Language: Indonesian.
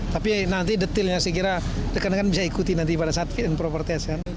tapi nanti detailnya saya kira rekan rekan bisa ikuti nanti pada saat fit and proper test kan